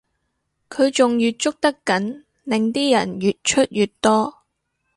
佢仲越捉得緊令啲人越出越多